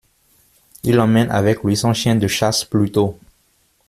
Il emmène avec lui son chien de chasse Pluto.